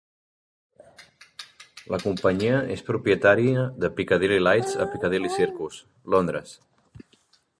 La companyia és propietària de Piccadilly Lights a Piccadilly Circus, Londres.